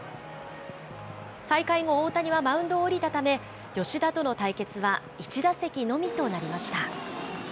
再開後、大谷はマウンドを降りたため、吉田との対決は１打席のみとなりました。